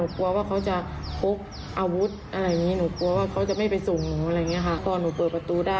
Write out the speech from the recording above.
คุณผู้ชมปรากฏว่ามันมีคลิปเสียงมีคลิปเสียงฮะเอาฟังดูฮะ